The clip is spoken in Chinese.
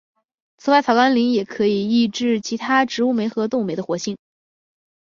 此外草甘膦也可以抑制其他植物酶和动物酶的活性。